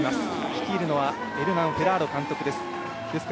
率いるのはエルナン・フェラーロ監督です。